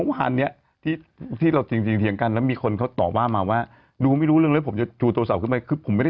จากกรดิเจฟกินกลมไม่ได้รู้ว่าเราคุยอะไรกัน